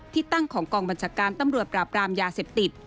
ที่ตั้งของกองบัญชาการตำรวจปราบรามยาเสพติด